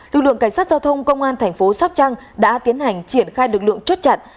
lực lượng cảnh sát giao thông công an thành phố sóc trăng đã tiến hành triển khai lực lượng chốt chặn